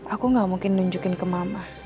aku gak mungkin nunjukin ke mama